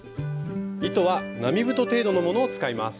糸は並太程度のものを使います。